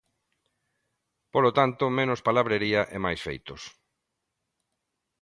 Polo tanto, menos palabrería e máis feitos.